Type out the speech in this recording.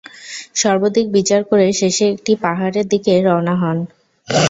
সর্বদিক বিচার করে শেষে একটি পাহাড়ের দিকে রওয়ানা হন।